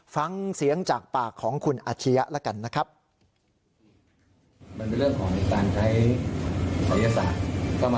ฟังเสียงจากปากของคุณอาชียะแล้วกันนะครับ